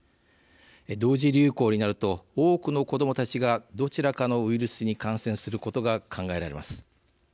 同時流行になると多くの子どもたちがどちらかのウイルスに感染することが考えられます。